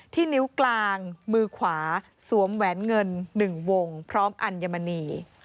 นิ้วกลางมือขวาสวมแหวนเงิน๑วงพร้อมอัญมณี